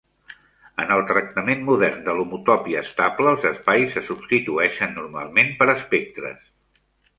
En el tractament modern de l'homotopia estable, els espais se substitueixen normalment per espectres.